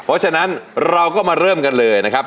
เพราะฉะนั้นเราก็มาเริ่มกันเลยนะครับ